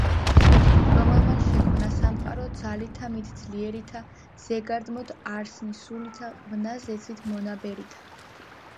რომელმან შექმნა სამყარო ძალითა მით ძლიერითა, ზეგარდმოთ არსნი სულითა ყვნა ზეცით მონაბერითა